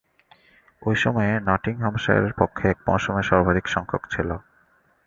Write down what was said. ঐ সময়ে নটিংহ্যামশায়ারের পক্ষে এক মৌসুমে সর্বাধিকসংখ্যক ছিল।